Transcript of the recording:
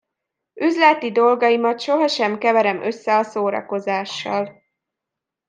Üzleti dolgaimat sohasem keverem össze a szórakozással.